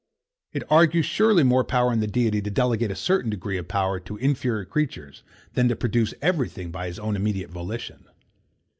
It argues surely more power in the Deity to delegate a certain degree of power to inferior creatures than to produce every thing by his own immediate volition.